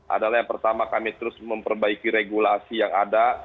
adalah yang pertama kami terus memperbaiki regulasi yang ada